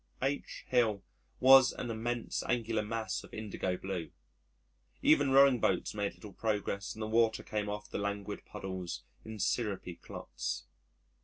H Hill was an immense angular mass of indigo blue. Even rowing boats made little progress and the water came off the languid paddles in syrupy clots.